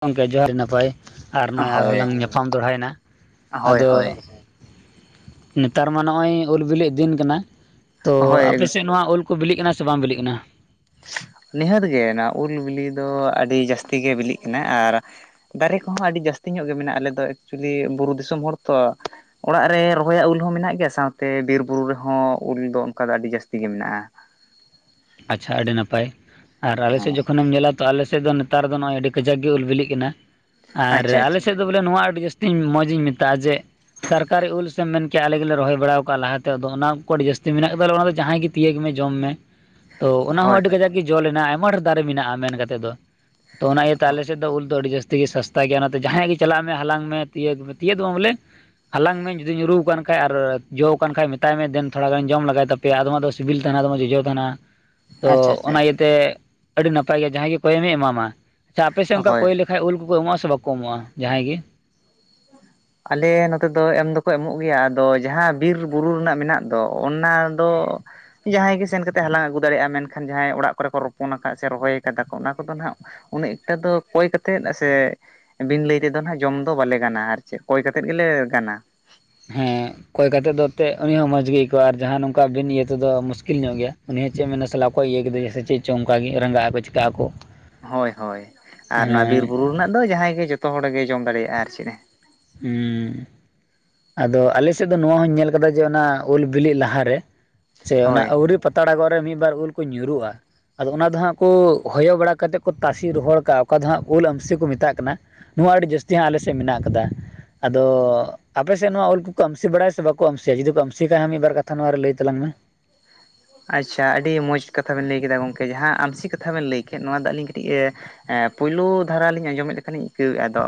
ᱜᱚᱝᱠᱮ ᱡᱚᱦᱟᱨ ᱱᱟᱯᱟᱭ ᱟᱨ ᱱᱚᱜᱼᱚᱭ ᱟᱨᱦᱚᱸ ᱦᱳᱭ ᱞᱟᱝ ᱧᱟᱯᱟᱢ ᱫᱚᱲᱦᱟᱭᱮᱱᱟ ᱦᱳᱭ ᱟᱫᱚ ᱦᱳᱭ ᱱᱮᱛᱟᱨ ᱢᱟ ᱱᱚᱜᱼᱚᱭ ᱩᱞ ᱵᱤᱞᱤᱜ ᱫᱤᱱ ᱠᱟᱱᱟ ᱛᱚ ᱟᱯᱮ ᱦᱳᱭ ᱥᱮᱫ ᱱᱚᱣᱟ ᱩᱞ ᱠᱚ ᱵᱤᱞᱤᱜ ᱠᱟᱱᱟ ᱥᱮ ᱵᱟᱝ ᱵᱤᱞᱤᱜ ᱠᱟᱱᱟ? ᱱᱤᱦᱟᱹᱛ ᱜᱮ ᱱᱚᱟ ᱩᱞ ᱵᱤᱞᱤ ᱫᱚ ᱟᱹᱰᱤ ᱡᱟᱹᱥᱛᱤ ᱜᱮ ᱵᱤᱞᱤᱜ ᱠᱟᱱᱟ ᱟᱨ ᱫᱟᱨᱮ ᱠᱚᱦᱚᱸ ᱟᱹᱰᱤ ᱡᱟᱹᱥᱛᱤ ᱧᱚᱜ ᱜᱮ ᱢᱮᱱᱟᱜᱼᱟ᱾ ᱟᱞᱮ ᱫᱚ ᱮᱠᱪᱩᱭᱮᱞᱤ ᱵᱩᱨᱩ ᱫᱤᱥᱚᱢ ᱦᱚᱲ ᱛᱚ, ᱚᱲᱟᱜ ᱨᱮ ᱨᱚᱦᱚ ᱭᱟᱜ ᱩᱞ ᱦᱚᱸ ᱢᱮᱱᱟᱜ ᱜᱮᱭᱟ, ᱥᱟᱶᱛᱮ ᱵᱤᱨ ᱵᱩᱨᱩ ᱨᱮᱦᱚᱸ ᱩᱞ ᱫᱚ ᱚᱱᱠᱟ ᱫᱚ ᱟᱹᱰᱤ ᱡᱟᱹᱥᱛᱤ ᱜᱮ ᱢᱮᱱᱟᱜᱼᱟ᱾ ᱟᱪᱷᱟ ᱟᱹᱰᱤ ᱱᱟᱯᱟᱭ ᱟᱨ ᱟᱞᱮᱥᱮᱫ ᱦᱮᱸ ᱡᱚᱠᱷᱚᱱᱮᱢ ᱧᱮᱞᱟ ᱛᱚ ᱟᱞᱮ ᱥᱮᱫ ᱫᱚ ᱱᱮᱛᱟᱨ ᱫᱚ ᱱᱚᱜᱼᱚᱭ ᱟᱹᱰᱤ ᱠᱟᱡᱟᱠ ᱜᱮ ᱩᱞ ᱵᱤᱞᱤᱜ ᱠᱟᱱᱟ, ᱟᱨ ᱟᱪᱪᱷᱟ ᱟᱞᱮ ᱟᱪᱪᱷᱟ ᱥᱮᱫ ᱫᱚ ᱵᱚᱞᱮ ᱱᱚᱣᱟ ᱟᱹᱰᱤ ᱡᱟᱹᱥᱛᱤ ᱢᱚᱡᱽᱤᱧ ᱢᱮᱛᱟᱜᱼᱟ ᱡᱮ ᱥᱚᱨᱠᱟᱨᱤ ᱩᱞ ᱥᱮᱢ ᱢᱮᱱ ᱠᱮᱭᱟ ᱟᱞᱮ ᱜᱮᱞᱮ ᱨᱚᱦᱚᱭ ᱥᱟᱨᱠᱟᱨᱤ ᱩᱞ ᱥᱮᱢ ᱢᱮᱱ ᱠᱮᱭᱟ ᱟᱞᱮ ᱜᱮᱞᱮ ᱨᱚᱦᱚᱭ ᱵᱟᱲᱟ ᱠᱟᱜᱼᱟ ᱞᱟᱦᱟᱛᱮ ᱟᱫᱚ ᱚᱱᱟ ᱠᱚ ᱟᱹᱰᱤ ᱡᱟᱹᱥᱛᱤ ᱢᱮᱱᱟᱜ ᱟᱠᱟᱫᱟ ᱟᱞᱮ ᱚᱱᱟ ᱫᱚ ᱡᱟᱦᱟᱸᱭ ᱜᱤ ᱜᱮ ᱛᱤᱭᱟᱹᱜᱽ ᱢᱮ ᱡᱚᱢ ᱢᱮ ᱛᱚ ᱚᱱᱟ ᱦᱚᱸ ᱦᱳᱭ ᱟᱹᱰᱤ ᱦᱳᱭ ᱠᱟᱡᱟᱠ ᱜᱮ ᱡᱚ ᱞᱮᱱᱟ ᱟᱭᱢᱟ ᱰᱷᱮᱨ ᱫᱟᱨᱮ ᱢᱮᱱᱟᱜᱼᱟ ᱢᱮᱱ ᱠᱟᱛᱮᱫ ᱫᱚ ᱛᱚ ᱚᱱᱟ ᱤᱭᱟᱹ ᱛᱮ ᱟᱞᱮ ᱥᱮᱫ ᱫᱚ ᱩᱞ ᱫᱚ ᱟᱹᱰᱤ ᱡᱟᱹᱥ ᱛᱮᱜᱮ ᱥᱟᱥᱛᱟ ᱜᱮᱭᱟ ᱚᱱᱟᱛᱮ ᱡᱟᱦᱟᱸᱭᱟᱜ ᱜᱮ ᱪᱟᱞᱟᱜ ᱢᱮ ᱦᱟᱞᱟᱝ ᱢᱮ ᱛᱤᱭᱟᱹᱜᱽ ᱢᱮ ᱛᱤᱭᱟᱹᱜ ᱫᱚ ᱵᱟᱝ ᱵᱚᱞᱮ ᱦᱟᱞᱟᱝ ᱢᱮ ᱡᱩᱫᱤ ᱧᱩᱨᱩ ᱟᱠᱟᱱ ᱠᱷᱟᱡ ᱟᱨ ᱡᱚ ᱟᱠᱟᱱ ᱠᱷᱟᱡ ᱢᱮᱛᱟᱭ ᱢᱮ ᱫᱮᱱ ᱛᱷᱚᱲᱟ ᱜᱟᱱ ᱡᱚᱢ ᱞᱮᱟᱜᱟᱭ ᱛᱟᱯᱮ ᱯᱮᱭᱟ ᱟᱫᱚᱢᱟᱜ ᱫᱚ ᱥᱤᱵᱤᱞ ᱛᱟᱦᱮᱱᱟ ᱟᱫᱚᱢᱟᱜ ᱡᱚᱡᱚ ᱛᱟᱦᱮᱱᱟ, ᱛᱚ ᱟᱪᱪᱷᱟ ᱟᱪᱪᱷᱟ ᱚᱱᱟ ᱤᱭᱟᱹᱛᱮ ᱟᱹᱰᱤ ᱱᱟᱯᱟᱭ ᱜᱮ ᱡᱟᱦᱟᱸᱭ ᱜᱮ ᱠᱚᱭᱮᱢᱮ ᱮᱢᱟᱢᱟ᱾ ᱟᱪᱷᱟ ᱟᱯᱮ ᱥᱮᱫ ᱚᱝᱠᱟ ᱦᱳᱭ ᱠᱚᱭ ᱞᱮ ᱠᱷᱟᱡ ᱩᱞ ᱠᱚᱠᱚ ᱮᱢᱚᱜᱼᱟ ᱥᱮ ᱵᱟᱠᱚ ᱮᱢᱚᱜᱼᱟ ᱡᱟᱦᱟᱸᱭ ᱜᱮ? ᱟᱞᱮ ᱱᱚᱛᱮ ᱫᱚ ᱮᱢ ᱫᱚᱠᱚ ᱮᱢᱚᱜ ᱜᱮᱭᱟ ᱟᱫᱚ ᱡᱟᱦᱟᱸ ᱵᱤᱨ ᱵᱩᱨᱩ ᱨᱮᱱᱟᱜ ᱢᱮᱱᱟᱜ ᱫᱚ ᱚᱱᱟ ᱫᱚ ᱡᱟᱦᱟᱸᱭ ᱜᱮ ᱥᱮᱱ ᱠᱟ ᱠᱟᱛᱮᱮᱫ ᱦᱟᱞᱟᱝ ᱟᱹᱜᱩ ᱡᱟᱦᱟᱹᱭ ᱡᱟᱦᱟᱹᱭ ᱜᱮ ᱥᱮᱱ ᱠᱟᱛᱮ ᱦᱟᱞᱟᱹᱝ ᱟᱜᱩ ᱡᱟᱸᱦᱟᱭ ᱜᱮ ᱥᱮᱱ ᱠᱟᱛᱮ ᱦᱟᱞᱟᱝ ᱟᱹᱜᱩ ᱫᱟᱲᱮᱭᱟᱜᱼᱟ ᱢᱮᱱᱠᱷᱟᱱ ᱡᱟᱦᱟᱸᱭ ᱚᱲᱟᱜ ᱠᱚᱨᱮ ᱠᱚ ᱨᱚᱯᱚᱱ ᱟᱠᱟᱫ ᱥᱮ ᱨᱚᱦᱚᱭ ᱠᱟᱫᱟ ᱠᱚ ᱚᱱᱟ ᱠᱚᱫᱚ ᱱᱟᱸᱜ ᱩᱱᱟᱹᱜ ᱮᱠᱴᱟ ᱫᱚ ᱠᱚᱭ ᱠᱟᱛᱮᱫ ᱥᱮ ᱵᱤᱱ ᱞᱟᱹᱭ ᱛᱮᱫᱚ ᱱᱟᱜ ᱡᱚᱢ ᱫᱚ ᱵᱟᱞᱮ ᱜᱟᱱᱟ ᱟᱨᱠᱤ ᱪᱮᱫ ᱠᱚᱭ ᱠᱟᱛᱮᱫ ᱜᱮᱞᱮ ᱜᱟᱱᱟ ᱦᱮᱸ ᱠᱚᱭ ᱠᱟᱛᱮᱜ ᱫᱚ ᱮᱱᱛᱮᱫ ᱩᱱᱤ ᱦᱚᱸᱚᱸ ᱢᱚᱸᱡᱽ ᱜᱮ ᱟᱹᱭᱠᱟᱹᱣᱟ ᱟᱨ ᱡᱟᱦᱟᱸ ᱱᱚᱝᱠᱟ ᱵᱤᱱ ᱤᱭᱟᱹ ᱛᱮᱫᱚ ᱢᱩᱥᱠᱤᱞ ᱧᱚᱜ ᱜᱮᱭᱟ ᱩᱱᱤ ᱦᱚᱪᱚᱭ ᱢᱮᱱᱟ ᱥᱟᱞᱟ ᱚᱠᱚᱭ ᱤᱭᱟᱹ ᱠᱮᱫᱟ ᱡᱮ ᱥᱮ ᱪᱮᱫ ᱪᱚᱝ ᱚᱱᱠᱟᱜᱮ ᱨᱟᱸᱜᱟ ᱟᱠᱚ ᱪᱤᱠᱟᱹᱜ ᱟᱠᱚ ᱦᱳᱭ ᱦᱳᱭ ᱟᱨ ᱱᱟ ᱵᱤᱨ ᱦᱮᱸ ᱵᱩᱨᱩ ᱨᱮᱱᱟᱜ ᱫᱚ ᱡᱟᱦᱟᱸᱭ ᱜᱮ ᱡᱚᱛᱚ ᱦᱚᱲᱜᱮ ᱡᱚᱢ ᱫᱟᱲᱮᱭᱟᱜᱼᱟ ᱟᱨ ᱪᱮᱫ ᱦᱮᱸ ᱩᱸᱻ ᱟᱫᱚ ᱟᱞᱮ ᱥᱮᱫ ᱫᱚ ᱱᱚᱣᱟ ᱦᱚᱸᱧ ᱧᱮᱞ ᱠᱟᱫᱟ ᱡᱮ ᱚᱱᱟ ᱩᱞ ᱵᱤᱞᱤ ᱞᱟᱦᱟᱨᱮ ᱥᱮ ᱚᱱᱟ ᱦᱳᱭ ᱟᱹᱣᱨᱤ ᱯᱟᱛᱲᱟ ᱜᱚᱜ ᱨᱮ ᱢᱤᱫ ᱵᱟᱨ ᱩᱞ ᱠᱚ ᱧᱩᱨᱩᱜᱼᱟ ᱟᱫᱚ ᱚᱱᱟ ᱫᱚ ᱦᱟᱸᱜ ᱠᱚ ᱦᱚᱭᱚ ᱵᱟᱲᱟ ᱠᱟᱛᱮᱫ ᱠᱚ ᱛᱟᱥᱮ ᱨᱚᱦᱚᱲ ᱠᱟᱜᱼᱟ ᱚᱠᱟ ᱫᱚ ᱦᱟᱸᱜ ᱩᱞ ᱟᱢᱥᱤ ᱠᱚ ᱢᱮᱛᱟᱜ ᱠᱟᱱᱟ, ᱱᱚᱣᱟ ᱟᱹᱰᱤ ᱡᱟᱹᱥᱛᱤ ᱦᱚᱸᱜ ᱟᱞᱮ ᱥᱮᱫ ᱢᱮᱱᱟᱜ ᱠᱟᱫᱟ ᱟᱫᱚ, ᱟᱯᱮ ᱥᱮᱫ ᱱᱚᱣᱟ ᱩᱞ ᱠᱚᱠᱚ ᱟᱢᱥᱤ ᱵᱟᱲᱟᱭᱟ ᱥᱮ ᱵᱟᱠᱚ ᱟᱢᱥᱤᱭᱟ ᱡᱩᱫᱤ ᱠᱚ ᱟᱢᱥᱤ ᱠᱷᱟᱭ ᱢᱤᱫᱵᱟᱨ ᱠᱟᱛᱷᱟ ᱱᱚᱣᱟ ᱨᱮ ᱞᱟᱹᱭ ᱛᱟᱞᱟᱝ ᱢᱮ, ᱟᱪᱪᱷᱟ ᱟᱹᱰᱤ ᱢᱚᱡᱽ ᱠᱟᱛᱷᱟ ᱵᱮᱱ ᱞᱟᱹᱭ ᱠᱮᱫᱟ ᱜᱚᱝᱠᱮ ᱡᱟᱦᱟᱸ ᱟᱢᱥᱤ ᱠᱟᱛᱷᱟ ᱵᱮᱱ ᱞᱟᱹᱭ ᱠᱮᱫ ᱱᱚᱣᱟ ᱫᱚ ᱟᱹᱞᱤᱧ ᱠᱟᱹᱴᱤᱜ ᱮᱸ ᱦᱮᱸ ᱯᱳᱭᱞᱩ ᱫᱷᱟᱨᱟ ᱞᱤᱧ ᱟᱸᱡᱚᱢᱮᱫ ᱞᱮᱠᱷᱟᱱ ᱞᱤᱧ ᱟᱹᱭᱠᱟᱹᱣᱮᱫᱼᱟ ᱟᱫᱚ,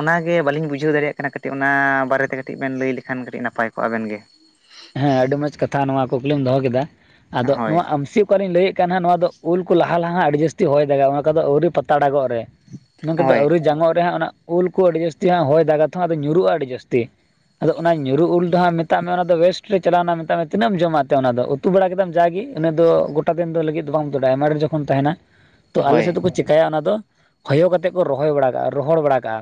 ᱚᱱᱟᱜᱮ ᱵᱟᱹᱞᱤᱧ ᱵᱩᱡᱷᱟᱹᱣ ᱫᱟᱲᱮᱭᱟᱜ ᱠᱟᱱᱟ ᱠᱟᱹᱴᱤᱜ ᱚᱱᱟ ᱵᱟᱨᱮᱛᱮ ᱠᱟᱹᱴᱤᱜ ᱵᱮᱱ ᱞᱟᱹᱭ ᱞᱮᱠᱷᱟᱱ ᱠᱟᱹᱴᱤᱜ ᱱᱟᱯᱟᱭ ᱠᱚᱜᱼᱟ ᱟᱵᱮᱱ ᱜᱮ, ᱦᱮᱸ ᱟᱹᱰᱤ ᱢᱚᱸᱡᱽ ᱠᱟᱛᱷᱟ ᱱᱚᱣᱟ ᱠᱩᱠᱞᱤᱢ ᱫᱚᱦᱚ ᱠᱮᱫᱟ ᱟᱫᱚ ᱦᱳᱭ ᱱᱚᱣᱟ ᱟᱹᱢᱥᱤ᱾ ᱚᱠᱟ ᱞᱤᱧ ᱞᱟᱹᱭᱮᱫ ᱠᱟᱱ ᱦᱟᱜ ᱱᱚᱣᱟ ᱫᱚ ᱩᱞ ᱠᱚ ᱞᱟᱦᱟ ᱞᱟᱦᱟ ᱟᱹᱰᱤ ᱡᱟᱹᱥᱛᱤ ᱦᱚᱭ ᱫᱟᱜᱟ ᱚᱱᱟ ᱠᱚᱫᱚ ᱟᱹᱣᱨᱤ ᱯᱟᱛᱟᱲᱟᱜᱚᱜ ᱨᱮ, ᱚᱱᱟ ᱠᱚᱫᱚ ᱦᱳᱭ ᱟᱹᱣᱨᱤ ᱡᱟᱸᱧᱚᱜ ᱨᱮ ᱦᱟᱸᱜ ᱚᱱᱟ ᱩᱞ ᱠᱚ ᱟᱹᱰᱤ ᱡᱟᱹᱥᱛᱤ ᱦᱟᱸᱜ ᱦᱚᱭ ᱫᱟᱜᱟ ᱛᱚ ᱟᱫᱚ ᱧᱩᱨᱩᱜᱼᱟ ᱟᱹᱰᱤ ᱡᱟᱹᱥᱛᱤ᱾ ᱟᱫᱚ ᱚᱱᱟ ᱧᱩᱨᱩ ᱩᱞ ᱫᱚ ᱦᱟᱸᱜ ᱢᱮᱛᱟᱜ ᱢᱮ ᱚᱱᱟ ᱫᱚ ᱵᱮᱥᱴ, ᱨᱤ ᱪᱟᱞᱟᱣᱱᱟ ᱢᱮᱛᱟᱜ ᱢᱮ ᱛᱤᱱᱟᱹᱜ ᱮᱢ ᱡᱚᱢᱟ ᱟᱫᱚ ᱚᱱᱟ ᱫᱚ ᱩᱛᱩ ᱵᱟᱲᱟ ᱠᱮᱫᱟᱢ ᱡᱟᱜᱮ ᱤᱱᱟᱹ ᱫᱚ ᱜᱚᱴᱟ ᱫᱤᱱ ᱫᱚ ᱞᱟᱹᱜᱤᱫ ᱫᱚ ᱵᱟᱝ ᱩᱛᱩ ᱫᱟᱲᱮᱭᱟᱜᱼᱟ ᱟᱭᱢᱟ ᱡᱚᱢ, ᱯᱷᱚᱱ ᱛᱟᱦᱮᱱᱟ᱾ ᱛᱚ ᱟᱞᱮ ᱦᱳᱭ ᱥᱮᱫ ᱫᱚᱠᱚ ᱪᱮᱠᱟᱭᱟ ᱚᱱᱟ ᱫᱚ ᱦᱚᱭᱚ ᱠᱟᱛᱮᱫ ᱠᱚ ᱨᱚᱦᱚᱭ ᱵᱟᱲᱟ ᱠᱟᱜᱼᱟ ᱨᱚᱦᱚᱲ ᱵᱟᱲᱟ ᱠᱟᱜᱼᱟ᱾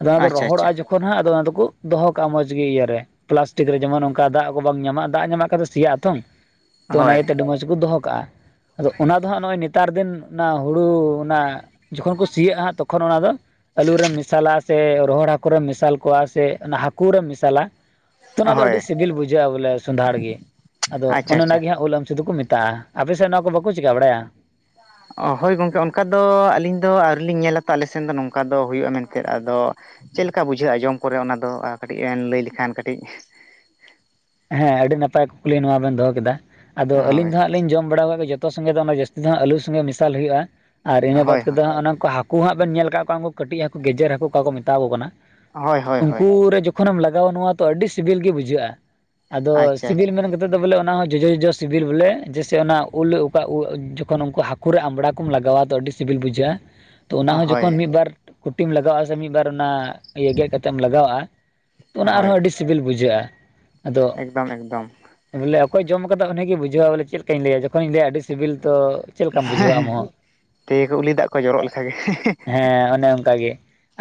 ᱟᱫᱚ ᱚᱱᱟ ᱫᱚ ᱟᱪᱪᱷᱟ ᱨᱚᱦᱚᱲᱚᱜᱼᱟ ᱟᱪᱪᱷᱟ ᱡᱚᱠᱷᱚᱱ ᱦᱟᱸᱜ ᱟᱫᱚ ᱚᱱᱟ ᱫᱚᱠᱚ ᱫᱚᱦᱚ ᱠᱟᱜᱼᱟ ᱢᱚᱡᱽ ᱜᱮ ᱤᱭᱟᱹᱨᱮ ᱯᱞᱟᱥᱴᱤᱠ ᱨᱮ ᱡᱮᱢᱚᱱ ᱚᱱᱠᱟ ᱫᱟᱜᱽ, ᱠᱚ ᱵᱟᱢ ᱧᱟᱢᱟᱜ-ᱟ ᱫᱟᱜᱽ ᱧᱟᱢᱟᱜ ᱠᱷᱟᱱ ᱫᱚ ᱥᱮᱭᱟᱜ ᱟᱛᱷᱚᱝ ᱛᱚ ᱚᱱᱟ ᱦᱳᱭ ᱤᱭᱟᱹᱛᱮ ᱟᱹᱰᱤ ᱢᱚᱡᱽ ᱠᱚ ᱫᱚᱦᱚ ᱠᱟᱜᱼᱟ᱾ ᱟᱫᱚ ᱚᱱᱟ ᱫᱚ ᱦᱟᱸᱜ ᱱᱚᱜᱼᱚᱭ ᱱᱮᱛᱟᱨ ᱫᱤᱱ ᱚᱱᱟ ᱦᱩᱲᱩ ᱚᱱᱟ ᱡᱚᱠᱷᱚᱱ ᱠᱚ ᱥᱤᱭᱟᱜᱼᱟ ᱦᱟᱸᱜ ᱛᱚᱠᱷᱚᱱ ᱚᱱᱟ ᱫᱚ, ᱟᱹᱞᱩ ᱨᱮᱢ ᱢᱮᱥᱟᱞᱟ ᱥᱮ ᱨᱚᱦᱚᱲ ᱦᱟᱹᱠᱩ ᱨᱮᱢ ᱢᱮᱥᱟᱞ ᱠᱚᱣᱟ ᱥᱮ ᱚᱱᱟ ᱦᱟᱹᱠᱩ ᱨᱮᱢ ᱢᱮᱥᱟᱞᱟ᱾ ᱛᱚ ᱚᱱᱟ ᱫᱚ ᱦᱳᱭ ᱟᱹᱰᱤ ᱥᱤᱵᱤᱞ ᱵᱩᱡᱷᱟᱹᱜᱼᱟ ᱵᱚᱞᱮ ᱥᱚᱸᱫᱷᱟᱲ ᱜᱮ ᱟᱫᱚ ᱟᱪᱪᱷᱟ ᱚᱱᱮ ᱟᱪᱪᱷᱟ ᱚᱱᱟᱜᱮ ᱦᱟᱸᱜ, ᱩᱞ ᱟᱹᱢᱥᱤ ᱫᱚ ᱠᱚ ᱢᱮᱛᱟᱜᱼᱟ ᱾ ᱟᱯᱮᱥᱮᱜ ᱚᱱᱟᱠᱚ ᱵᱟᱠᱚ ᱪᱤᱠᱟᱹ ᱵᱟᱲᱟᱭᱟ? ᱚ ᱦᱳᱭ ᱜᱚᱝᱠᱮ ᱚᱱᱠᱟ ᱫᱚ ᱟᱹᱞᱤᱧ ᱫᱚ ᱟᱹᱣᱨᱤ ᱞᱤᱧ ᱧᱮᱞᱟ ᱛᱚ ᱟᱞᱮ ᱥᱮᱱ ᱫᱚ ᱱᱚᱝᱠᱟ ᱫᱚ ᱦᱩᱭᱩᱜᱼᱟ ᱢᱮᱱᱛᱮᱫ ᱟᱫᱚ, ᱪᱮᱫ ᱞᱮᱠᱟ ᱵᱩᱡᱷᱟᱹᱜᱼᱟ ᱡᱚᱢ ᱠᱚᱨᱮ ᱚᱱᱟ ᱫᱚ ᱠᱟᱹᱴᱤᱜ ᱮᱢ ᱞᱟᱹᱭ ᱞᱮᱠᱷᱟᱱ ᱠᱟᱹᱴᱤᱜ ᱦᱮᱸ ᱟᱹᱰᱤ ᱱᱟᱯᱟᱭ ᱠᱩᱠᱞᱤ ᱱᱚᱣᱟ ᱵᱮᱱ ᱫᱚᱦ ᱠᱮᱫᱟ ᱟᱫᱚ ᱟᱹᱞᱤᱧ ᱦᱳᱭ ᱫᱚ ᱦᱟᱸᱜ ᱞᱤᱧ ᱡᱚᱢ ᱵᱟᱲᱟ ᱟᱠᱟ ᱜᱮ ᱡᱚᱛᱚ, ᱛᱚ ᱥᱚᱸᱜᱮ ᱫᱚ ᱡᱟᱹᱥᱛᱤ ᱫᱚ ᱟᱹᱞᱩ ᱥᱚᱸᱜᱮ ᱢᱮᱥᱟᱞ ᱦᱩᱭᱩᱜᱼᱟ ᱟᱨ ᱤᱱᱟᱹ ᱵᱟᱫ ᱦᱳᱭ ᱦᱳᱭ ᱠᱟᱛᱮᱫᱜ ᱦᱟᱸᱜ ᱦᱟᱠ ᱠᱩ ᱦᱟᱸᱜ ᱵᱮᱱ ᱧᱮᱞ ᱠᱟᱜ ᱠᱚᱣᱟ ᱩᱱᱠᱩ ᱠᱟᱹᱴᱤᱜ ᱦᱟᱹᱠᱩ ᱜᱮᱡᱮᱨ ᱦᱟᱹᱠᱩ ᱚᱠᱟ ᱠᱚ ᱢᱮᱛᱟᱣ ᱠᱚ ᱠᱟᱱᱟ ᱦᱳᱭ ᱦᱳᱭ ᱦᱳᱭ ᱩᱱᱠᱩ ᱨᱮ ᱡᱚ, ᱡᱚᱠᱷᱚᱱᱮᱢ ᱞᱟᱜᱟᱣᱟ ᱱᱚᱶᱟ ᱛᱚ ᱟᱹᱰᱤ ᱥᱤᱵᱤᱞ ᱜᱮ ᱵᱩᱡᱷᱟᱹᱜᱼᱟ ᱟᱫᱚ ᱟᱪᱪᱷᱟ ᱥᱤᱵᱤᱞ ᱟᱪᱪᱷᱟ ᱢᱮᱱ ᱠᱟᱛᱮ, ᱱᱚᱛᱮ ᱫᱚ ᱵᱚᱞᱮ ᱚᱱᱟ ᱦᱚᱸ ᱡᱚᱡᱚ ᱡᱚᱡᱚ ᱥᱤᱵᱤᱞ ᱵᱚᱞᱮ ᱡᱮᱭᱥᱮ ᱚᱱᱟ ᱩᱞ ᱚᱠᱟ ᱩᱞ ᱡᱚᱠᱷᱚᱱ ᱩᱱᱠᱩ ᱦᱟᱹᱠᱩ, ᱦᱟᱹᱠᱩ ᱨᱮ ᱟᱢᱵᱽᱲᱟ ᱠᱚᱢ ᱞᱟᱜᱟᱣᱟ ᱫᱚ ᱟᱹᱰᱤ ᱥᱤᱵᱤᱞ ᱵᱩᱡᱷᱟᱹᱜᱼᱟ᱾ ᱛᱚ ᱚᱱᱟ ᱦᱚᱸ ᱦᱳᱭ ᱡᱚᱠᱷᱚᱱ ᱢᱤᱫᱵᱟᱨ ᱠᱩᱴᱤᱢ ᱞᱟᱜᱟᱣᱼᱟ ᱥᱮ ᱢᱤᱫ ᱵᱟᱨ ᱚᱱᱟ ᱤᱭᱟᱹ ᱜᱮᱫ ᱠᱟᱛᱮᱢ ᱞᱟᱜᱟᱣᱼᱟ, ᱛᱚ ᱚᱱᱟ ᱦᱳᱭ ᱟᱨᱦᱚᱸ ᱟᱹᱰᱤ ᱥᱤᱵᱤᱞ ᱵᱩᱡᱷᱟᱹᱜᱼᱟ᱾ ᱟᱫᱚ ᱮᱠᱫᱚᱢ ᱮᱠᱫᱚᱢ, ᱵᱚᱞᱮ ᱚᱠᱚᱭ ᱡᱚᱢ ᱠᱟᱫᱟ ᱩᱱᱤᱜᱮ ᱵᱩᱡᱷᱟᱹᱣᱟ ᱵᱚᱞᱮ ᱪᱮᱫ ᱞᱮᱠᱟᱧ ᱞᱟᱹᱭᱟ ᱡᱚᱠᱷᱚᱱᱤᱧ ᱞᱟᱹᱭᱟ ᱟᱹᱰᱤ ᱥᱤᱵᱤᱞ ᱛᱚ᱾ ᱪᱮᱫ ᱞᱮᱠᱟᱢ ᱵᱩᱡᱷᱟᱹᱣᱟ ᱟᱢ ᱦᱚᱸ? ᱛᱤ ᱠᱚ ᱩᱞᱤ ᱫᱟᱜ ᱠᱚ ᱡᱚᱨᱚᱜ ᱞᱮᱠᱟ ᱜᱮ ᱦᱮᱸ ᱚᱱᱮ ᱚᱱᱠᱟ ᱜᱮ᱾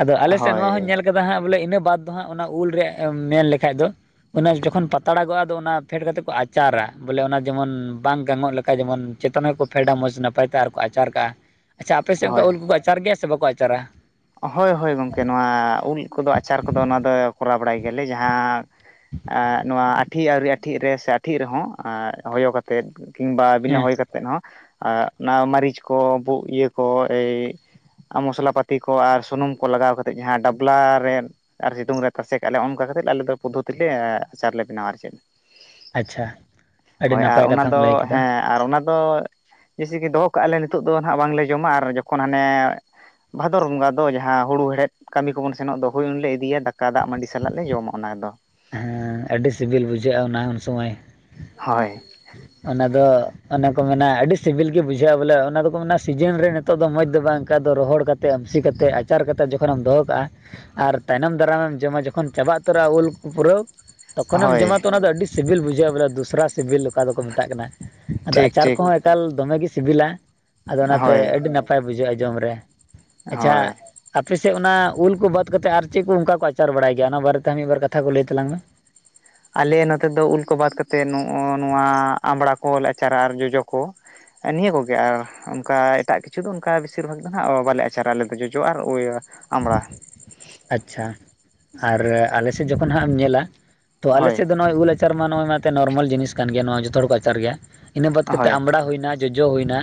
ᱟᱫᱚ ᱟᱞᱮᱥᱮᱫ ᱦᱳᱭ ᱱᱚᱣᱟ ᱦᱚᱧ ᱧᱮᱞ ᱠᱟᱫᱟ ᱦᱟᱸᱜ ᱵᱚᱞᱮ ᱤᱱᱟᱹ ᱵᱟᱫ ᱫᱚ ᱦᱟᱸᱜ ᱚᱱᱟ ᱩᱞᱨᱮ ᱢᱮᱱ ᱞᱮᱠᱷᱟᱭ ᱫᱚ ᱚᱱᱟ, ᱠᱷᱚᱱ ᱯᱟᱛᱲᱟᱜᱚᱜᱼᱟ ᱟᱫᱚ ᱚᱱᱟ ᱯᱷᱮᱰ ᱠᱟᱛᱮᱫ ᱠᱚ ᱟᱪᱟᱨᱟ ᱵᱚᱞᱮ ᱚᱱᱟ ᱡᱮᱢᱚᱱ ᱵᱟᱝ ᱜᱟᱱᱚᱜ ᱞᱮᱠᱟ ᱡᱮᱢᱚᱱ ᱪᱮᱛᱟᱱ ᱨᱮᱠᱚ, ᱯᱷᱮᱰᱟ ᱢᱚᱡᱽ ᱱᱟᱯᱟᱭ ᱛᱮ ᱟᱨ ᱠᱚ ᱟᱪᱟᱨ ᱠᱟᱜᱼᱟ ᱾ ᱟᱪᱪᱷᱟ ᱟᱯᱮᱥᱮᱜ ᱚᱱᱠᱟ ᱦᱳᱭ ᱩᱞ ᱠᱩᱠᱚ ᱟᱪᱟᱨ ᱜᱮᱭᱟ ᱥᱮ ᱵᱟᱠᱚ ᱟᱪᱟᱨᱟ? ᱦᱳᱭ ᱦᱳᱭ ᱜᱚᱝᱠᱮ ᱱᱚᱣᱟ ᱩᱞ ᱠᱚᱫᱚ ᱟᱪᱟᱨ ᱠᱚᱫᱚ ᱱᱚᱣᱟ ᱫᱚ ᱠᱚᱨᱟᱣ ᱵᱟᱲᱟᱭ ᱜᱮᱭᱟᱞᱮ ᱡᱟᱦᱟᱸ ᱱᱚᱣᱟ ᱟᱴᱷᱤ ᱟᱹᱣᱨᱤ ᱟᱴᱷᱤ ᱨᱮ ᱥᱮ ᱟᱴᱷᱤ ᱨᱮᱦᱚᱸ ᱦᱚᱭᱚ ᱠᱟᱛᱮᱜ ᱠᱤᱢᱵᱟ ᱵᱤᱱᱟᱹ ᱦᱮᱸ ᱦᱚᱭᱚ ᱠᱟᱛ, ᱛᱮᱫ ᱦᱚᱸ ᱚᱱᱟ ᱢᱟᱹᱨᱤᱪ ᱠᱚ ᱤᱭᱟᱹ ᱠᱚ ᱤᱭᱟᱹ ᱠᱚ ᱢᱚᱥᱞᱟ ᱯᱟᱹᱛ ᱛᱤ ᱠᱚ ᱟᱨ ᱥᱩᱱᱩᱢ ᱠᱚ ᱞᱟᱜᱟᱣ ᱠᱟᱛᱮᱫ ᱡᱟᱦᱟᱸ ᱰᱟᱵᱞᱟ ᱨᱮ, ᱟᱨ ᱥᱤᱛᱩᱝ ᱨᱮ ᱛᱟᱥᱮ ᱠᱟᱜ ᱟᱞᱮ ᱚᱱᱠᱟ ᱠᱟᱛᱮᱫ ᱟᱞᱮ ᱫᱚ ᱯᱚᱫᱽᱷᱚᱛᱤ ᱞᱮ ᱟᱪᱟᱨ ᱞᱮ ᱵᱮᱱᱟᱣᱟ ᱟᱨ ᱪᱮᱫ᱾ ᱟᱪᱪᱷᱟ ᱟᱹᱰᱤ ᱦᱳᱭ ᱟᱨ ᱱᱟᱯᱟᱭ ᱚᱱᱟ ᱠᱟᱛᱷᱟᱢ ᱫᱚ ᱞᱟᱹᱭ ᱠᱮᱫᱟ ᱦᱮᱸ, ᱟᱨ ᱚᱱᱟᱫᱚ ᱡᱮᱭᱥᱮ ᱠᱤ ᱫᱚᱦᱚ ᱠᱟᱜᱼᱟᱞᱮ ᱱᱤᱛᱳᱜ ᱫᱚ ᱱᱟᱦᱟᱜ ᱵᱟᱝᱞᱮ ᱡᱚᱢᱟ ᱟᱨ ᱡᱚᱠᱷᱚᱭ ᱦᱟᱱᱮ, ᱵᱷᱟᱫᱚᱨ ᱵᱚᱸᱜᱟ ᱫᱚ ᱡᱟᱦᱟᱸ ᱦᱩᱲᱩ ᱦᱮᱲᱦᱮᱫ, ᱠᱟᱹᱢᱤ ᱠᱚᱵᱚᱱ ᱥᱮᱱᱚᱜ ᱫᱚ ᱦᱳᱭ ᱩᱱᱞᱮ ᱤᱫᱤᱭᱟ ᱫᱟᱠᱟ ᱫᱟᱜᱽ ᱢᱟᱹᱰᱤ ᱥᱟᱞᱟᱜ ᱞᱮ ᱡᱚᱢᱟ ᱚᱱᱟᱫᱚ᱾ ᱦᱮ ᱟᱹᱰᱤ ᱥᱤᱵᱤᱞ ᱵᱩᱡᱷᱟᱹᱜᱼᱟ ᱚᱱᱟ ᱩᱱ ᱥᱚᱢᱚᱭ᱾ ᱦᱚᱭ ᱚᱱᱟ ᱫᱚ ᱚᱱᱮ ᱠᱚ ᱢᱮᱱᱟ ᱟᱹᱰᱤ ᱥᱤᱵᱤᱞ ᱜᱮ ᱵᱩᱡᱷᱟᱹᱜᱼᱟ ᱵᱚᱞᱮ ᱚᱱᱟ ᱫᱚᱠᱚ ᱢᱮᱱᱟ ᱥᱤᱡᱤᱱ ᱨᱮ᱾ ᱱᱤᱛᱚᱜ ᱫᱚ ᱢᱚᱡᱽ ᱫᱚ ᱵᱟᱝ ᱚᱱᱠᱟ ᱫᱚ ᱨᱚᱦᱚᱲ ᱠᱟᱛᱮᱫ ᱟᱹᱢᱥᱤ ᱠᱟᱛᱮᱫ ᱟᱪᱟᱨ ᱠᱟᱛᱮᱜ ᱡᱚᱠᱷᱚᱱᱮᱢ ᱫᱚᱦᱚ ᱠᱟᱜᱼᱟ᱾ ᱟᱨ ᱛᱟᱭᱱᱚᱢ ᱫᱟᱨᱟᱢᱮᱢ ᱡᱚᱢᱟ ᱡᱚᱠᱷᱚᱱ ᱪᱟᱵᱟ ᱩᱛᱟᱹᱨᱚᱜᱼᱟ ᱩᱞ ᱯᱩᱨᱟᱹᱣ᱾ ᱛᱚᱠᱷᱚᱱᱮᱢ ᱦᱳᱭ ᱡᱚᱢᱟ ᱛᱚ ᱚᱱᱟ ᱫᱚ ᱟᱹᱰᱤ ᱥᱤᱵᱤᱞ ᱵᱩᱡᱷᱟᱹᱜᱼᱟ ᱵᱚᱞᱮ ᱫᱚᱥᱨᱟ ᱥᱤᱵᱤᱞ ᱚᱠᱟ ᱫᱚᱠᱚ ᱢᱮᱛᱟᱜ ᱠᱟᱱᱟ ᱟᱫᱚ ᱴᱷᱤᱠ ᱟᱪᱟᱨ ᱴᱷᱤᱠ ᱠᱚᱦᱚᱸ᱾ ᱮᱠᱟᱞ ᱫᱚᱢᱮᱜ ᱜᱮ ᱥᱤᱵᱤᱞᱟ, ᱟᱫᱚ ᱚᱱᱟᱛᱮ ᱦᱳᱭ ᱟᱹᱰᱤ ᱱᱟᱯᱟᱭ ᱵᱩᱡᱷᱟᱹᱜᱼᱟ ᱡᱚᱢ ᱨᱮ ᱾ ᱟᱪᱪᱷᱟ ᱦᱳᱭ ᱟᱯᱮᱥᱮᱫ ᱚᱱᱟ ᱩᱞ ᱠᱚ ᱵᱟᱫ ᱠᱟᱛᱮᱫ ᱟᱨ ᱪᱮᱫ ᱠᱚ ᱚᱱᱠᱟ ᱠᱚ ᱟᱪᱟᱨ ᱵᱟᱲᱟᱭ ᱜᱮᱭᱟ ᱚᱱᱟ ᱵᱟᱨᱮᱛᱮ ᱢᱤᱫ ᱵᱟᱨ ᱠᱟᱛᱷᱟ ᱠᱚ ᱞᱟᱹᱭ ᱛᱟᱞᱟᱝ ᱢᱮ ᱾ ᱟᱞᱮ ᱱᱚᱛᱮ ᱫᱚ ᱩᱞ ᱠᱚ ᱵᱟᱫ ᱠᱟᱛᱮᱫ ᱱᱚᱜᱼᱚ ᱱᱚᱣᱟ ᱟᱢᱲᱟ ᱠᱚ ᱟᱪᱟᱨᱟ ᱟᱨ ᱡᱚᱡᱚ ᱠᱚ ᱾ ᱱᱤᱭᱟᱹ ᱠᱚᱜᱮ ᱟᱨ ᱚᱱᱠᱟ ᱮᱴᱟᱜ ᱠᱤᱪᱷᱩ ᱫᱚ ᱚᱱᱠᱟ ᱵᱮᱥᱤᱨ ᱵᱷᱟᱜᱽ ᱫᱚ ᱱᱟᱦᱟᱜ ᱵᱟᱞᱮ ᱟᱪᱟᱨᱟ ᱟᱞᱮ ᱫᱚ ᱡᱚᱡᱚ ᱟᱨ᱾ ᱟᱢᱲᱟ ᱾ ᱟᱪᱪᱷᱟ ᱟᱨ ᱟᱞᱮᱥᱮᱫ ᱡᱚᱠᱷᱚᱱ ᱦᱟᱸᱜ ᱮᱢ ᱧᱮᱞᱟ ᱛᱚ ᱦᱳᱭ ᱟᱞᱮᱥᱮᱫ ᱫᱚ ᱱᱚᱜᱼᱚᱭ ᱩᱞ᱾ ᱟᱪᱟᱨ ᱢᱟ ᱱᱚᱜᱼᱚᱭ ᱱᱚᱨᱢᱟᱞ ᱡᱤᱱᱤᱥ ᱠᱟᱱ ᱜᱮᱭᱟ ᱱᱚᱣᱟ ᱡᱚᱛᱚ ᱦᱚᱲ ᱠᱚ ᱟᱪᱟᱨ ᱜᱮᱭᱟ ᱤᱱᱟᱹ ᱵᱟᱫ ᱠᱟᱛᱮᱫ ᱦᱳᱭ ᱟᱢᱵᱽᱲᱟ ᱦᱩᱭᱱᱟ᱾ ᱡᱚᱡᱚ ᱦᱩᱭᱱᱟ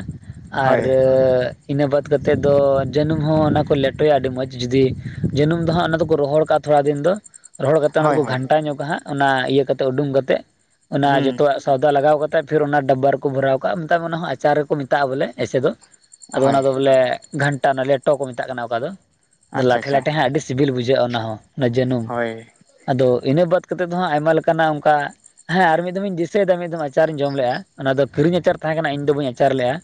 ᱟᱨ᱾ ᱦᱳᱭ ᱤᱱᱟᱹ ᱵᱟᱫ ᱠᱟᱛᱮᱫ ᱫᱚ ᱡᱟᱹᱱᱩᱢ ᱦᱚᱸ ᱚᱱᱟ ᱠᱚ ᱞᱮᱴᱚᱭᱟ ᱟᱹᱰᱤ ᱢᱚᱸᱡᱽ ᱡᱩᱫᱤ᱾ ᱡᱟᱹᱱᱩᱢ ᱫᱚ ᱦᱟᱸᱜ ᱚᱱᱟ ᱫᱚᱠᱚ ᱨᱚᱦᱚᱲ ᱠᱟᱜᱼᱟ ᱛᱷᱚᱲᱟ ᱫᱤᱱ ᱫᱚ ᱨᱚᱦᱚᱲ ᱠᱟᱛᱮ ᱚᱱᱟ ᱦᱳᱭ ᱫᱚᱠᱚ ᱦᱳᱭ ᱜᱷᱟᱱᱴᱟ ᱧᱚᱜ ᱠᱟᱦᱟᱸᱜ᱾ ᱚᱱᱟ ᱤᱭᱟᱹ ᱠᱟᱛᱮ ᱩᱰᱩᱝ ᱠᱟᱛᱮ ᱚᱱᱟ ᱦᱩᱸ ᱡᱚᱛᱚᱣᱟᱜ᱾ ᱥᱟᱣᱫᱟ ᱞᱟᱜᱟᱣ ᱠᱟᱛᱮᱫ ᱯᱷᱤᱨ ᱚᱱᱟ ᱰᱟᱵᱵᱟ ᱨᱮᱠᱚ ᱵᱷᱚᱨᱟᱣ ᱠᱟᱜᱼᱟ ᱢᱮᱛᱟᱜ ᱢᱮ ᱠᱟᱱᱟ ᱚᱱᱟ ᱟᱪᱟᱨ ᱨᱮᱠᱚ ᱢᱮᱛᱟᱜᱼᱟ ᱵᱚᱞᱮ ᱮᱭᱥᱮ ᱫᱚ᱾ ᱟᱫᱚ ᱦᱳᱭ ᱚᱱᱟ ᱫᱚ ᱵᱚᱞᱮ ᱜᱷᱟᱱᱴᱟ ᱞᱮᱴᱚ ᱠᱚ ᱢᱮᱛᱟᱜ ᱠᱟᱱᱟ ᱚᱠᱟ ᱫᱚ᱾ ᱟᱪᱪᱷᱟ ᱟᱪᱪᱷᱟ ᱦᱮᱸ ᱟᱹᱰᱤ ᱥᱤᱵᱤᱞ ᱵᱩᱡᱷᱟᱹᱜᱼᱟ ᱚᱱᱟ ᱦᱚᱸ ᱚᱱᱟ ᱡᱟᱹᱱᱩᱢ᱾ ᱦᱳᱭ ᱟᱫᱚ ᱤᱱᱟᱹ ᱵᱟᱫ ᱠᱟᱛᱮᱫ ᱫᱚᱦᱟᱜ ᱟᱭᱢᱟ ᱞᱮᱠᱟᱱᱟᱜ ᱚᱱᱠᱟ᱾ ᱦᱮᱸ ᱟᱨ ᱢᱤᱫ ᱫᱚᱢ ᱤᱧ ᱫᱤᱥᱟᱹᱭᱮᱫᱟ ᱢᱤᱫ ᱫᱷᱟᱢ ᱟᱪᱟᱨᱤᱧ ᱡᱚᱢ ᱞᱮᱼᱟ ᱚᱱᱟ ᱫᱚ ᱠᱤᱨᱤᱧ ᱟᱪᱟᱨ ᱛᱟᱦᱮᱸ ᱠᱟᱱᱟ ᱤᱧ ᱫᱚ ᱵᱟᱹᱧ ᱟᱪᱟᱨ ᱞᱮᱜᱼᱟ᱾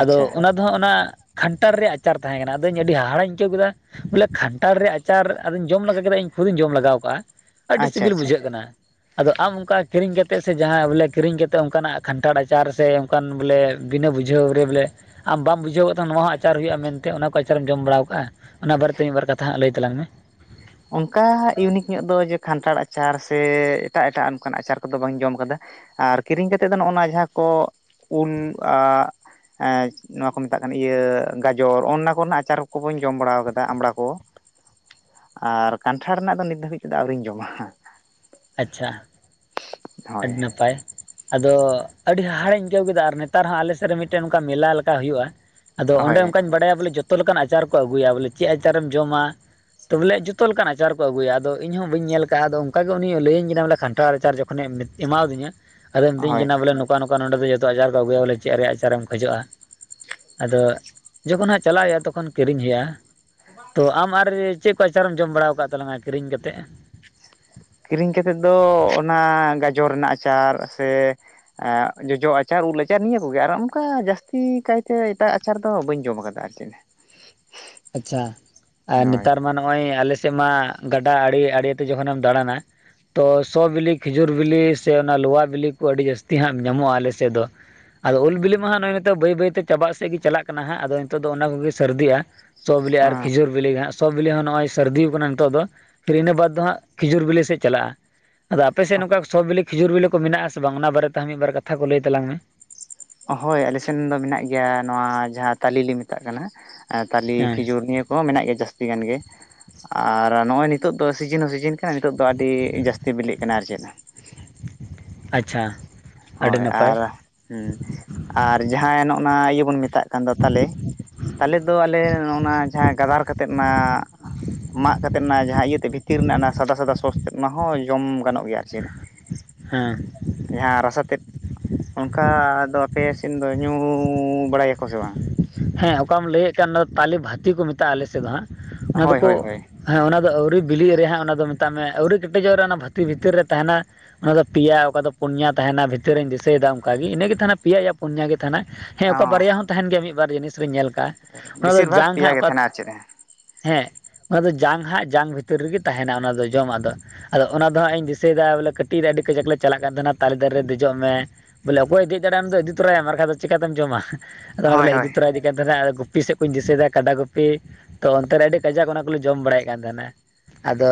ᱟᱪᱪᱷᱟ ᱚᱱᱟ ᱫᱚ ᱦᱟᱸᱜ ᱚᱱᱟ ᱠᱷᱟᱱᱴᱟᱲ ᱨᱮᱭᱟᱜ ᱟᱪᱟᱨ ᱛᱟᱦᱮᱸ ᱠᱟᱱᱟ ᱟᱫᱚᱧ ᱟᱹᱰᱤ ᱦᱟᱦᱟᱲᱟᱧ ᱟᱹᱭᱠᱟᱹᱣ ᱠᱮᱫᱟ ᱵᱚᱞᱮ᱾ ᱠᱷᱟᱱᱴᱟᱲ ᱨᱮᱭᱟᱜ ᱟᱪᱟᱨ ᱟᱫᱚᱧ ᱡᱚᱢ ᱞᱮᱜᱟ ᱠᱮᱫᱟ ᱤᱧ ᱠᱷᱩᱫ ᱤᱧ ᱡᱚᱢ ᱞᱟᱜᱟᱣ ᱠᱟᱜᱼᱟ ᱟᱹᱰᱤ ᱟᱪᱪᱷᱟ ᱥᱤᱵᱤᱞ ᱟᱪᱪᱷᱟ ᱵᱩᱡᱷᱟᱹᱜ ᱠᱟᱱᱟ᱾ ᱟᱫᱚ ᱟᱢ ᱚᱱᱠᱟ ᱠᱤᱨᱤᱧ ᱠᱟᱛᱮᱫ ᱥᱮ ᱡᱟᱦᱟᱸ ᱵᱚᱞᱮ ᱠᱤᱨᱤᱧ ᱠᱟᱛᱮᱫ ᱚᱱᱠᱟᱱᱟᱜ ᱠᱷᱟᱱᱴᱷᱟᱲ ᱟᱪᱟᱨ ᱥᱮ ᱚᱱᱠᱟᱱ ᱵᱚᱞᱮ᱾ ᱵᱤᱱᱟᱹ ᱵᱩᱡᱷᱟᱹᱣ ᱨᱮ ᱵᱚᱞᱮ᱾ ᱟᱢ ᱵᱟᱢ ᱵᱩᱡᱷᱟᱹᱣ ᱠᱟᱜ ᱛᱟᱦᱮᱱᱟ ᱱᱚᱣᱟ ᱦᱚᱸ ᱟᱪᱟᱨ ᱦᱩᱭᱩᱜᱼᱟ ᱢᱮᱱᱛᱮ ᱚᱱᱟ ᱠᱚ ᱟᱪᱟᱨᱮᱢ ᱡᱚᱢ ᱵᱟᱲᱟᱣ ᱠᱟᱜᱼᱟ ᱚᱱᱟ ᱵᱟᱨᱮᱛᱮ᱾ ᱛᱤᱱ ᱵᱟᱨ ᱠᱟᱛᱷᱟ ᱦᱟᱜ ᱞᱟᱹᱭ ᱛᱟᱞᱟᱝ ᱢᱮ᱾ ᱚᱱᱠᱟ ᱤᱭᱩᱱᱤᱠ ᱧᱚᱜ ᱫᱚ ᱡᱮ ᱠᱷᱟᱱᱴᱷᱟᱲ ᱟᱪᱟᱨ ᱥᱮ ᱮᱴᱟᱜ ᱮᱴᱟᱜ ᱚᱱᱠᱟᱱ ᱟᱪᱟᱨ ᱠᱚᱫᱚ ᱵᱟᱹᱧ ᱡᱚᱢ ᱠᱟᱫᱟ᱾ ᱟᱨ ᱠᱤᱨᱤᱧ ᱠᱟᱛᱮᱫ ᱫᱚ ᱱᱚᱜᱚᱱᱟ ᱡᱟᱸᱦᱟ ᱠᱚ ᱩᱞ ᱟᱜ᱾ ᱮᱸ ᱱᱚᱣᱟ ᱠᱚ ᱢᱮᱛᱟᱜ ᱠᱟᱱᱟ ᱤᱭᱟᱹ ᱜᱟᱡᱚᱨ ᱚᱜᱻᱱᱟ ᱠᱚᱨᱮᱱᱟᱜ ᱟᱪᱟᱨ ᱠᱚᱦᱚᱸᱧ ᱡᱚᱢ ᱵᱟᱲᱟ ᱠᱟᱫᱟ ᱟᱢᱵᱽᱲᱟ ᱠᱚ᱾ ᱟᱨ ᱠᱟᱱᱴᱷᱟᱲ ᱨᱮᱱᱟᱜ ᱫᱚ ᱱᱤᱛ ᱫᱷᱟᱹᱵᱤᱡ ᱛᱮᱫᱚ ᱟᱹᱣᱨᱤᱧ ᱡᱚᱢᱟ᱾ ᱟᱪᱪᱷᱟ ᱦᱳᱭ ᱟᱹᱰᱤ ᱱᱟᱯᱟᱭ ᱟᱫᱚ ᱟᱹᱰᱤ ᱦᱟᱦᱟᱲᱤᱧ ᱟᱹᱭᱠᱟᱹᱣ ᱠᱮᱫᱟ ᱟᱨ ᱱᱮᱛᱟᱨ ᱦᱟᱸᱜ ᱟᱞᱮ ᱥᱮᱫ ᱨᱮ ᱢᱤᱫᱴᱮᱱ ᱱᱚᱝᱠᱟ ᱢᱮᱞᱟ ᱞᱮᱠᱟ ᱦᱩᱭᱩᱜᱼᱟ᱾ ᱟᱫᱚ ᱚᱸᱰᱮ ᱦᱳᱭ ᱚᱱᱠᱟᱧ ᱵᱟᱲᱟᱭᱟ ᱵᱚᱞᱮ ᱡᱚᱛᱚ ᱞᱮᱠᱟᱱ ᱟᱪᱟᱨ ᱠᱚ ᱟᱹᱜᱩᱭᱟ ᱵᱚᱞᱮ ᱪᱮᱫ ᱟᱪᱟᱨᱮᱢ ᱡᱚᱢᱟ? ᱛᱚ ᱵᱚᱞᱮ ᱡᱚᱛᱚ ᱞᱮᱠᱟᱱ ᱟᱪᱟᱨ ᱠᱚ ᱟᱹᱜᱩᱭᱟ ᱟᱫᱚ ᱤᱧ ᱦᱚᱸ ᱵᱟᱹᱧ ᱧᱮᱞ ᱟᱠᱟᱫᱼᱟ ᱟᱫᱚ ᱚᱱᱠᱟ ᱜᱮ ᱩᱱᱤᱭ ᱞᱟᱹᱭᱟᱹᱧ ᱠᱟᱱᱟ ᱵᱚᱞᱮ ᱠᱷᱟᱱᱴᱷᱟᱲ ᱟᱪᱟᱨ ᱡᱚ᱾ ᱠᱷᱚᱱᱮ ᱢᱮᱫ ᱮᱢᱟ ᱟᱫᱤᱧᱟ ᱟᱫᱚᱭ ᱢᱤᱛᱟᱹᱧ ᱦᱳᱭ ᱠᱟᱱᱟ ᱵᱚᱞᱮ᱾ ᱱᱚᱠᱟ ᱱᱚᱠᱟ ᱱᱚᱰᱮ ᱫᱚ ᱡᱚᱛᱚ ᱟᱪᱟᱨ ᱠᱚ ᱟᱹᱜᱩᱭᱟ ᱵᱚᱞᱮ ᱪᱮᱫ ᱨᱮᱭᱟᱜ ᱟᱪᱟᱨᱮᱢ ᱠᱷᱚᱡᱚᱜᱼᱟ? ᱟᱫᱚ ᱡᱚᱠᱷᱚᱱ ᱦᱟᱸᱜ ᱪᱟᱞᱟᱜ ᱦᱩᱭᱩᱜᱼᱟ ᱛᱚᱠᱷᱚᱱ ᱠᱤᱨᱤᱧ ᱦᱩᱭᱩᱜᱼᱟ᱾ ᱛᱚ ᱟᱢ ᱟᱨ ᱪᱮᱫ ᱠᱚ ᱟᱪᱟᱨᱮᱢ ᱡᱚᱢ ᱵᱟᱲᱟ ᱟᱠᱟᱣᱟᱫ ᱛᱟᱞᱟᱝᱟ ᱠᱤᱨᱤᱧ ᱠᱟᱛᱮ? ᱠᱤᱨᱤᱧ ᱠᱟᱛᱮᱫ ᱫᱚ ᱚᱱᱟ ᱜᱟᱡᱚᱨ ᱨᱮᱱᱟᱜ ᱟᱪᱟᱨ ᱥᱮ᱾ ᱮᱸᱜ ᱡᱚᱡᱚ ᱟᱪᱟᱨ ᱩᱞ ᱟᱪᱟᱨ ᱱᱤᱭᱟᱹ ᱠᱚᱜᱮ ᱟᱨ ᱚᱱᱠᱟ ᱡᱟᱹᱥᱛᱤ ᱠᱟᱭᱛᱮ ᱮᱴᱟᱜ᱾ ᱟᱪᱟᱨ ᱫᱚ ᱵᱟᱹᱧ ᱡᱚᱢ ᱟᱠᱟᱫᱟ ᱟᱨ ᱪᱮᱫ᱾ ᱟᱪᱪᱷᱟ, ᱟᱨ ᱦᱳᱭ ᱱᱮᱛᱟᱨ ᱢᱟ ᱱᱚᱜᱼᱚᱭ ᱟᱞᱮᱼᱼ ᱥᱮᱫ ᱢᱟ, ᱜᱟᱰᱟ ᱟᱲᱮ ᱟᱲᱮᱛᱮ ᱡᱚᱠᱷᱚᱱᱮᱢ ᱫᱟᱬᱟᱱᱟᱼᱼ ᱛᱚ ᱥᱚ ᱵᱤᱞᱤ, ᱠᱷᱤᱡᱩᱨ ᱵᱤᱞᱤ, ᱥᱮ ᱚᱱᱟ ᱞᱚᱣᱟ ᱵᱤᱞᱤ ᱠᱚ ᱟᱹᱰᱤ ᱡᱟᱹᱥᱛᱤ ᱦᱟᱸᱜ ᱧᱟᱢᱚᱜᱼᱟ ᱟᱞᱮ ᱥᱮᱫ ᱫᱚ ᱾ ᱟᱫᱚ ᱩᱞ ᱵᱤᱞᱤ ᱢᱟ ᱦᱟᱸᱜ ᱱᱚᱜᱼᱚᱭ ᱱᱤᱛᱚᱜ ᱵᱟᱹᱭ ᱵᱟᱹᱭᱛᱮ ᱪᱟᱵᱟᱜ ᱥᱮᱫ ᱜᱮ ᱪᱟᱞᱟᱜ ᱠᱟᱱᱟ ᱦᱟᱸᱜ, ᱟᱫᱚ ᱱᱤᱛᱚᱜ ᱫᱚ ᱚᱱᱟ ᱠᱚᱜᱮ ᱥᱟᱹᱨᱫᱤᱼᱟ ᱾ ᱥᱚᱸ ᱵᱤᱞᱤ ᱟᱨ ᱦᱮᱸ ᱠᱷᱤᱡᱩᱨ ᱵᱤᱞᱤ ᱜᱮ ᱦᱟᱸᱜ ᱾ ᱥᱚᱸ ᱵᱤᱞᱤ ᱦᱚᱸ ᱱᱚᱜᱼᱚᱭ ᱥᱟᱹᱨᱫᱤ ᱠᱟᱱᱟ ᱱᱤᱛᱚᱜ ᱫᱚ, ᱯᱷᱤᱨ ᱤᱱᱟᱹ ᱵᱟᱫᱽ ᱫᱚ ᱦᱟᱸᱜ ᱠᱷᱤᱡᱩᱨ ᱵᱤᱞᱤ ᱥᱮᱫ ᱪᱟᱞᱟᱜᱼᱟ ᱾ ᱟᱫᱚ ᱟᱯᱮ ᱥᱮᱫ ᱱᱚᱝᱠᱟ ᱥᱚᱸ ᱵᱤᱞᱤ, ᱠᱷᱤᱡᱩᱨ ᱵᱤᱞᱤ ᱠᱚ ᱢᱮᱱᱟᱜ ᱟᱥᱮ ᱵᱟᱝ? ᱚᱱᱟ ᱵᱟᱨᱮᱛᱮ ᱢᱤᱫᱵᱟᱨ ᱠᱟᱛᱷᱟ ᱠᱚ ᱞᱟᱹᱭ ᱛᱟᱞᱟᱝ ᱢᱮ ᱾ ᱦᱳᱭ ᱟᱞᱮᱥᱮᱱ ᱫᱚ ᱢᱮᱱᱟᱜ ᱜᱮᱭᱟ ᱱᱚᱣᱟ ᱡᱟᱦᱟᱸ ᱛᱟᱞᱮ ᱞᱮ ᱢᱮᱛᱟᱜ ᱠᱟᱱᱟ, ᱛᱟᱞᱮ ᱦᱮᱸ ᱠᱷᱤᱡᱩᱨ ᱱᱤᱭᱟᱹᱼᱼ ᱠᱚᱦᱚᱸ ᱢᱮᱱᱟᱜ ᱜᱮᱭᱟ ᱡᱟᱹᱥᱛᱤ ᱜᱟᱱ ᱜᱮ ᱾ ᱟᱨ ᱱᱚᱜᱼᱚᱭ ᱱᱤᱛᱚᱜ ᱫᱚ ᱥᱤᱡᱤᱱ ᱦᱚᱸ ᱥᱤᱡᱤᱱ ᱠᱟᱱᱟ, ᱱᱤᱛᱚᱜ ᱫᱚ ᱟᱹᱰᱤ, ᱡᱟᱹᱥᱛᱤ ᱵᱤᱞᱤᱜ ᱠᱟᱱᱟ ᱟᱨ ᱪᱮᱫᱼᱼ ᱟᱪᱪᱷᱟ ᱾ ᱦᱳᱭ ᱟᱨ, ᱦᱩᱸ ᱟᱨ ᱡᱟᱦᱟᱸᱭ ᱱᱚᱜᱼᱱᱟ ᱤᱭᱟᱹ ᱵᱚᱱ ᱢᱮᱛᱟᱜ ᱠᱟᱱ ᱫᱚ ᱛᱟᱞᱮᱼᱼ ᱛᱟᱞᱮ ᱫᱚ ᱟᱞᱮ ᱱᱚᱜᱼᱱᱟ ᱡᱟᱦᱟᱸ ᱜᱟᱫᱟᱨ ᱠᱟᱛᱮᱫ ᱚᱱᱟᱼᱼ ᱢᱟᱜ ᱠᱟᱛᱮᱫ ᱚᱱᱟ ᱡᱟᱦᱟᱸ ᱤᱭᱟᱹᱛᱮ ᱵᱷᱤᱛᱤᱨ ᱨᱮᱱᱟᱜ ᱚᱱᱟ ᱥᱟᱫᱟ ᱥᱟᱫᱟ ᱥᱳᱥ ᱛᱮᱫ ᱚᱱᱟ ᱦᱚᱸ ᱡᱚᱢ ᱜᱟᱱᱚᱜ ᱜᱮᱭᱟ ᱟᱨ ᱪᱮᱫ ᱾ ᱦᱮᱸ ᱾ ᱡᱟᱸᱦᱟ ᱨᱟᱥᱟᱼᱼ ᱮᱱᱛᱮᱫ, ᱚᱝᱠᱟ ᱫᱚ ᱟᱯᱮ ᱥᱮᱫ ᱫᱚ ᱧᱩ ᱵᱟᱲᱟᱭᱟᱠᱚ ᱥᱮ ᱵᱟᱝ? ᱦᱮᱸ ᱚᱠᱟᱢ ᱞᱟᱹᱭᱮᱫ ᱠᱟᱱ ᱚᱱᱟ ᱛᱟᱞᱮ ᱵᱷᱟᱹᱛᱤ ᱠᱚ ᱢᱮᱛᱟᱜᱼᱟ ᱟᱞᱮ ᱥᱮᱫ ᱫᱚ ᱦᱟᱸᱜ, ᱚᱱᱟ ᱦᱳᱭ ᱦᱳᱭ ᱫᱚᱠᱚᱼᱼ ᱦᱳᱭ ᱦᱮᱸ ᱚᱱᱟ ᱫᱚ ᱟᱹᱣᱨᱤ ᱵᱤᱞᱤᱜ ᱨᱮ ᱦᱟᱸᱜ ᱚᱱᱟ ᱫᱚ ᱢᱮᱛᱟᱜ ᱢᱮ ᱟᱹᱣᱨᱤ ᱠᱮᱴᱮᱡᱚᱜ ᱨᱮ ᱚᱱᱟ ᱵᱷᱟᱹᱛᱤ ᱵᱷᱤᱛᱤᱨ ᱨᱮ ᱛᱟᱸᱦᱮᱱᱟᱼ ᱚᱱᱟ ᱫᱚ ᱯᱮᱭᱟ ᱚᱠᱟ ᱫᱚ ᱯᱩᱱᱭᱟ ᱛᱟᱸᱦᱮᱱᱟ ᱵᱷᱤᱛᱨᱤ ᱨᱤᱧ ᱫᱤᱥᱟᱹᱭ ᱫᱟ ᱚᱱᱠᱟᱜᱮ ᱤᱱᱟᱹᱜᱮ ᱛᱟᱸᱦᱮᱱᱟ ᱯᱮᱭᱟ ᱭᱟ ᱯᱩᱱᱭᱟ ᱜᱮ ᱛᱟᱸᱦᱮᱱᱟᱼᱼ ᱦᱮᱸ ᱚᱠᱟ ᱵᱟᱨᱭᱟ ᱦᱚᱸ ᱛᱟᱸᱦᱮᱱ ᱜᱮᱭᱟ ᱢᱤᱫ ᱵᱟᱨ ᱡᱤᱱᱤᱥ ᱨᱤᱧ ᱧᱮᱞ ᱠᱟᱜᱼᱟ, ᱚᱱᱟ ᱵᱮᱥᱤᱨ ᱫᱚ ᱵᱷᱟᱜᱽ ᱡᱟᱝ ᱦᱟᱸᱜ ᱯᱮᱭᱟ ᱜᱮ ᱚᱠᱟᱼᱼ ᱛᱟᱦᱮᱱᱟ ᱟᱨ ᱪᱮᱫ ᱦᱮᱸ, ᱚᱱᱟ ᱫᱚ ᱡᱟᱝ ᱦᱟᱸᱜ ᱡᱟᱝ ᱵᱷᱤᱛᱤᱨ ᱨᱮᱜᱮ ᱛᱟᱸᱦᱮᱱᱟ ᱚᱱᱟ ᱫᱚ ᱡᱚᱢᱟᱜ ᱫᱚ ᱾ ᱟᱫᱚ ᱚᱱᱟ ᱫᱚ ᱦᱟᱸᱜ ᱤᱧ ᱫᱤᱥᱟᱹᱭᱮᱫᱟ ᱵᱚᱞᱮ ᱠᱟᱹᱴᱤᱡ ᱨᱮ ᱟᱹᱰᱤ ᱠᱟᱡᱟᱠ ᱞᱮ ᱪᱟᱞᱟᱜ ᱠᱟᱱ ᱛᱟᱸᱦᱮᱱᱟ ᱛᱟᱞᱮ ᱫᱟᱨᱮ ᱨᱮ ᱫᱮᱡᱚᱜ ᱢᱮᱼᱼ ᱵᱚᱞᱮ ᱚᱠᱚᱭ ᱫᱮᱡ ᱫᱟᱲᱮᱜ-ᱟ ᱩᱱᱤ ᱫᱚ ᱤᱫᱤ ᱛᱚᱨᱟᱭᱮᱢ ᱟᱨᱠᱷᱟᱡ ᱫᱚ ᱪᱮᱠᱟᱛᱮᱢ ᱡᱚᱢᱟ, ᱟᱫᱚ ᱚᱱᱟ ᱦᱳᱭ ᱛᱮᱞᱮ ᱤᱫᱤᱼᱼ ᱤᱫᱤ ᱠᱟᱱ ᱛᱟᱦᱮᱸᱱᱟ ᱟ ᱜᱩᱯᱤ ᱥᱮᱫ ᱠᱩᱧ ᱫᱤᱥᱟᱹᱭ ᱫᱟ ᱠᱟᱰᱟ ᱜᱩᱯᱤᱼᱼ ᱛᱚ ᱚᱱᱛᱮᱨᱮ ᱟᱹᱰᱤ ᱠᱟᱡᱟᱠ ᱚᱱᱟ ᱠᱚᱞᱮ ᱡᱚᱢ ᱵᱟᱲᱟᱭᱮᱫ ᱠᱟᱱ ᱛᱟᱸᱦᱮᱱᱟ ᱾ ᱟᱫᱚ,